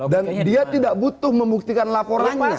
dan dia tidak butuh membuktikan laporannya